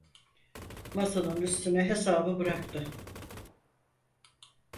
Masanın üstüne hesabı bıraktı.